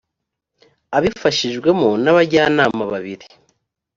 abifashijwemo n abajyanama babiri